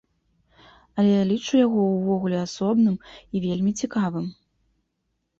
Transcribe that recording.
Але я лічу яго ўвогуле асобным і вельмі цікавым.